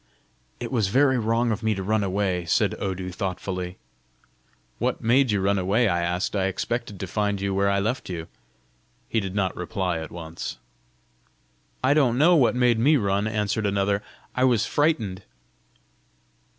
"It was very wrong of me to run away!" said Odu thoughtfully. "What made you run away?" I asked. "I expected to find you where I left you!" He did not reply at once. "I don't know what made me run," answered another. "I was frightened!"